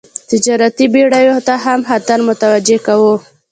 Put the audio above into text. تجارتي بېړیو ته هم خطر متوجه کاوه.